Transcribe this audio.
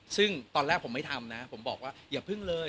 ซึ่งตอนแรกผมไม่ทำนะผมบอกว่าอย่าพึ่งเลย